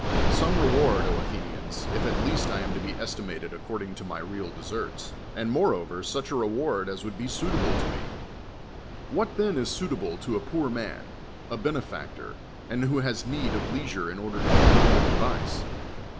Some reward, Athenians, if 78 SOCRATES at least I am to be estimated aeeordiup: to my real deserts : and moreover such a reward as would be suitable to me. What then is suitable to a poor man, a benefactor, and who has need of leisure in order to give you good advice?